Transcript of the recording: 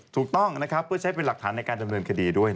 ถูกต้องนะครับเพื่อใช้เป็นหลักฐานในการดำเนินคดีด้วย